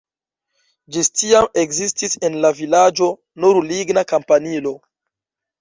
Ĝis tiam ekzistis en la vilaĝo nur ligna kampanilo.